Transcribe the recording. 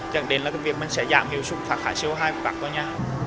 chẳng đến là cái việc mình sẽ giảm hiệu sức phát thải co hai của các tòa nhà